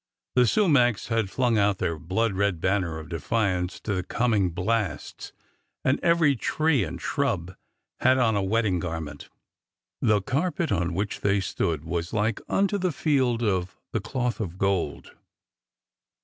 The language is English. The sumacs had flung out their blood red banner of defiance to the coming blasts, and every tree and shrub had on a wedding garment. The carpet on which they stood was like unto the field of the cloth of gold.